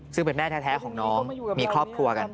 ซึ่งเป็นแม่แท้ของน้องมีครอบครัวกัน